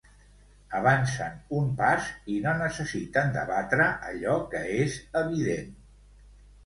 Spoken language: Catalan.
Avancen un pas i no necessiten debatre allò que és evident.